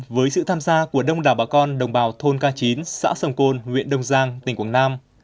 với sự tham gia của đông đảo bà con đồng bào thôn k chín xã sầm côn huyện đông giang tỉnh quảng nam